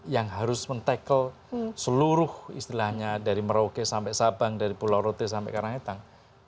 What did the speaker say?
yang harus men tackle seluruh istilahnya dari merauke sampai sabang dari pulau rote sampai karangetang